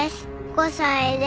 ５歳です。